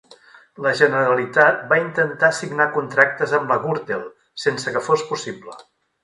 La Generalitat va intentar signar contractes amb la Gürtel sense que fos possible